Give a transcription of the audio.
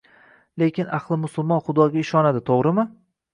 Lekin ahli musulmon xudoga ishonadi, to‘g‘rimi?